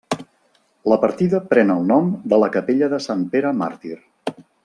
La partida pren el nom de la capella de Sant Pere Màrtir.